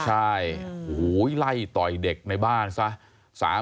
ใช่ไล่ต่อยเด็กในบ้านซะ